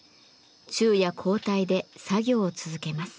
昼夜交代で作業を続けます。